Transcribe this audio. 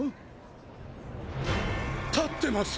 立ってます。